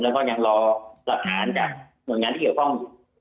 และก็ยังรอประสานจากหน่วยงานเกี่ยวข้อง